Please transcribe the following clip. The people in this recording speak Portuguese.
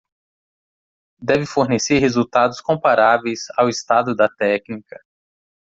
Deve fornecer resultados comparáveis ao estado da técnica.